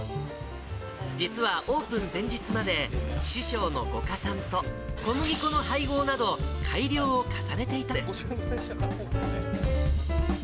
実はオープン前日まで、師匠の五箇さんと、小麦粉の配合など、改良を重ねていたのです。